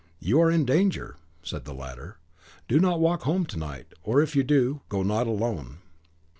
"You are in danger," said the latter. "Do not walk home to night; or if you do, go not alone."